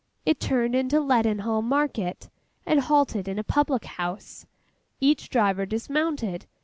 It turned into Leadenhall market, and halted at a public house. Each driver dismounted.